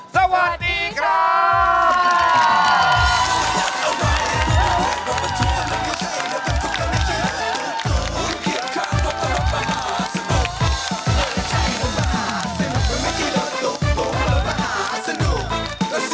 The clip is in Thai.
สวัสดีครับ